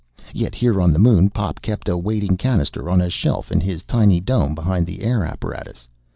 Yet here on the Moon Pop kept a waiting cannister on a shelf in his tiny dome, behind the air apparatus.